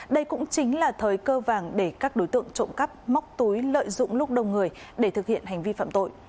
đây cũng chính là thời cơ vàng để các đối tượng trộm cắp móc túi lợi dụng lúc đông người để thực hiện hành vi phạm tội